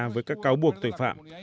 với các cáo buộc tội phạm